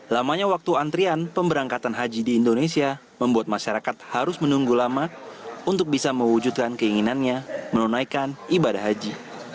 lamanya waktu antrian pemberangkatan haji di indonesia membuat masyarakat harus menunggu lama untuk bisa mewujudkan keinginannya menunaikan ibadah haji